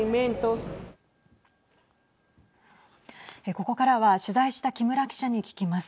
ここからは取材した木村記者に聞きます。